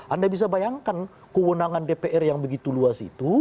anda bisa bayangkan kewenangan dpr yang begitu luas itu